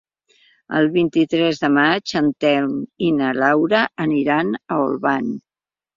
El vint-i-tres de maig en Telm i na Laura aniran a Olvan.